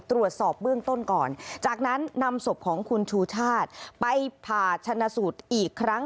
ตรวจสอบเบื้องต้นก่อนจากนั้นนำศพของคุณชูชาติไปผ่าชนะสูตรอีกครั้ง